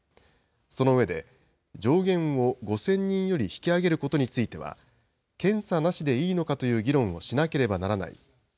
その上で、上限を５０００人より引き上げることについては、検査なしでいいのかという議論をしなければならない。